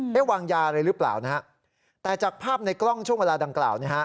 วางยาอะไรหรือเปล่านะฮะแต่จากภาพในกล้องช่วงเวลาดังกล่าวนะฮะ